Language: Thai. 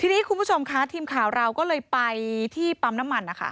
ทีนี้คุณผู้ชมค่ะทีมข่าวเราก็เลยไปที่ปั๊มน้ำมันนะคะ